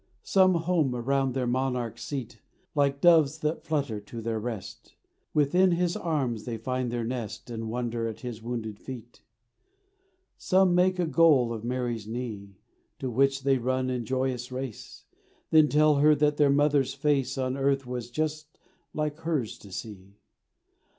Some home around their Monarch's seat, Like doves that flutter to their rest; Within His arms they find their nest And wonder at His wounded feet. Some make a goal of Mary's knee, To which they run in joyous race; Then tell her that their mother's face On earth was just like hers to see.